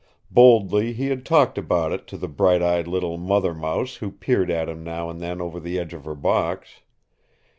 Boldly he had talked about it to the bright eyed little mother mouse who peered at him now and then over the edge of her box.